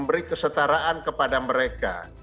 memberi kesetaraan kepada mereka